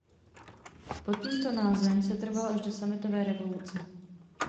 Pod tímto názvem setrval až do sametové revoluce.